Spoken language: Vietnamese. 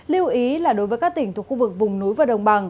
lưu ý là đối với các tỉnh thuộc khu vực vùng núi và đồng bằng